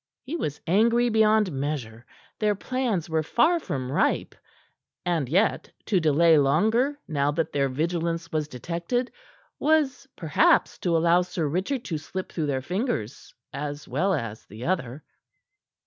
He was angry beyond measure. Their plans were far from ripe, and yet to delay longer now that their vigilance was detected was, perhaps, to allow Sir Richard to slip through their fingers, as well as the other.